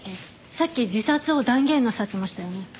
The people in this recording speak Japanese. さっき自殺を断言なさってましたよね。